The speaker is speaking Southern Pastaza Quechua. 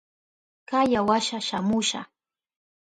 Kaya washa shamusha.